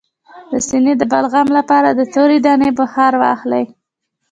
د سینې د بغل لپاره د تورې دانې بخار واخلئ